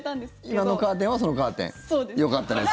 今のカーテンはそのカーテン？よかったです。